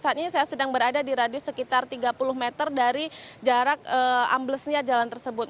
saat ini saya sedang berada di radius sekitar tiga puluh meter dari jarak amblesnya jalan tersebut